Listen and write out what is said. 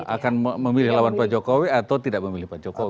akan memilih lawan pak jokowi atau tidak memilih pak jokowi